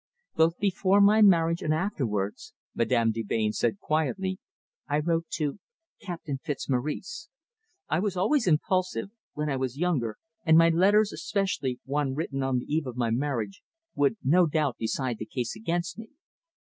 "Both before my marriage and afterwards," Madame de Melbain said quietly, "I wrote to Captain Fitzmaurice. I was always impulsive when I was younger, and my letters, especially one written on the eve of my marriage, would no doubt decide the case against me.